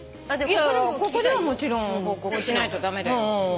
ここでももちろん報告しないと駄目だよ